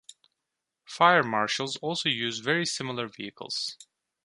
Fire Marshals also use very similar vehicles.